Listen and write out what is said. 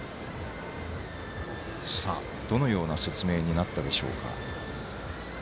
どのような説明になったでしょうか。